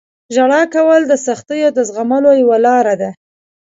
• ژړا کول د سختیو د زغملو یوه لاره ده.